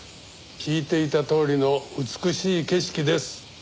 聞いていたとおりの美しい景色です。